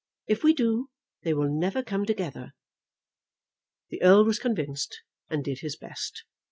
If we do, they will never come together." The Earl was convinced, and did his best.